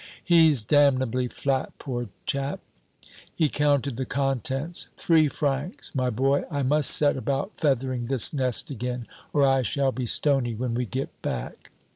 "He's damnably flat, poor chap!" He counted the contents. "Three francs! My boy, I must set about feathering this nest again or I shall be stony when we get back."